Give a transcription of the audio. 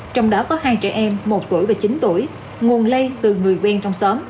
trong đó có hai trẻ em một tuổi và chín tuổi nguồn lây từ người quen trong xóm